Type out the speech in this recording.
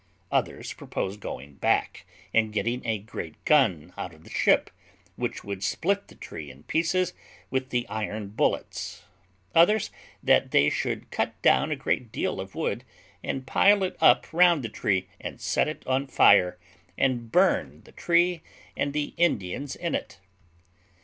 Others proposed going back, and getting a great gun out of the ship, which would split the tree in pieces with the iron bullets; others, that they should cut down a great deal of wood, and pile it up round the tree, and set it on fire, and burn the tree, and the Indians in it.